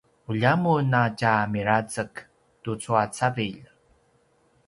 ulja mun a tja mirazek tucu a cavilj